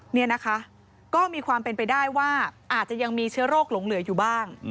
นี่นะคะก็มีความเป็นไปได้ว่าอาจจะยังมีเชื้อโรคหลงเหลืออยู่บ้าง